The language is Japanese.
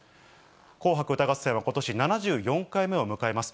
紅白歌合戦はことし７４回目を迎えます。